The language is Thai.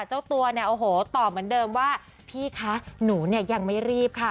เจ้าตัวเนี่ยโอ้โหตอบเหมือนเดิมว่าพี่คะหนูเนี่ยยังไม่รีบค่ะ